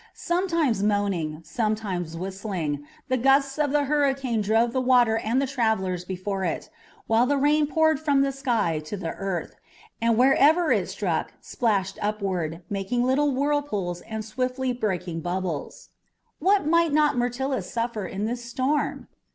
Sometimes moaning, sometimes whistling, the gusts of the hurricane drove the water and the travellers before it, while the rain poured from the sky to the earth, and wherever it struck splashed upward, making little whirlpools and swiftly breaking bubbles. What might not Myrtilus suffer in this storm!